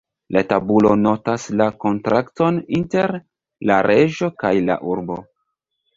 La tabulo notas la kontrakton inter "la reĝo kaj la urbo".